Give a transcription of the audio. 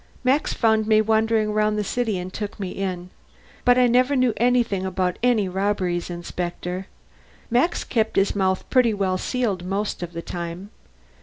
Max found me wandering around the city and took me in. But I never knew anything about any robberies, Inspector. Max kept his mouth pretty well sealed most of the time.